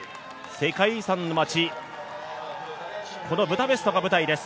世界遺産の街、このブダペストが舞台です。